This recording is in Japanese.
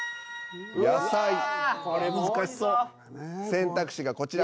選択肢がこちら。